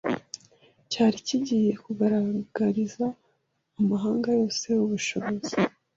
cyari kigiye kugaragariza amahanga yose ubushobozi